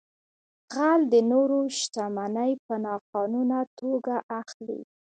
غل د نورو شتمنۍ په ناقانونه توګه اخلي